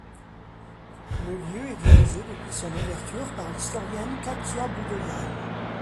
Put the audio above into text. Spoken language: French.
Le lieu est dirigé depuis son ouverture par l'historienne Katia Boudoyan.